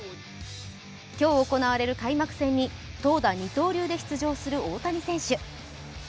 今日行われる開幕戦に投打二刀流で出場する大谷選手。